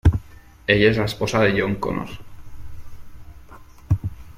Ella es la esposa de John Connor.